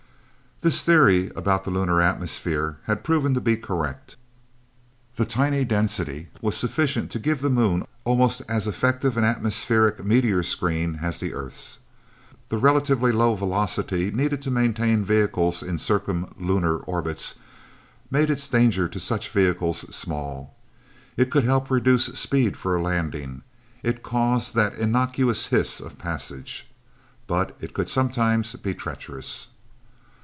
This theory about the lunar atmosphere had proven to be correct. The tiny density was still sufficient to give the Moon almost as effective an atmospheric meteor screen as the Earth's. The relatively low velocity needed to maintain vehicles in circumlunar orbits, made its danger to such vehicles small. It could help reduce speed for a landing; it caused that innocuous hiss of passage. But it could sometimes be treacherous.